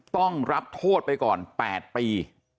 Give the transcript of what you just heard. ต้องรับโทษไปก่อน๘ปี